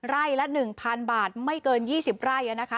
ไร่ละ๑๐๐๐บาทไม่เกิน๒๐ไร่นะคะ